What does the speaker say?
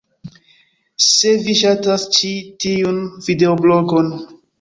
Se vi ŝatas ĉi tiun videoblogon